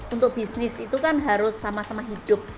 untuk bisnis itu kan harus sama sama hidup